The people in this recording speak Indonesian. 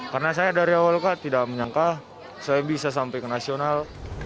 karena saya dari awal kak tidak menyangka saya bisa sampai ke nasional